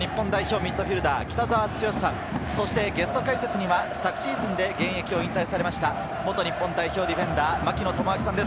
ミッドフィルダー・北澤豪さん、そしてゲスト解説には昨シーズンで現役を引退されました元日本代表ディフェンダー・槙野智章さんです。